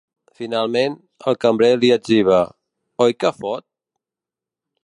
Finalment, el cambrer li etziba: Oi que fot?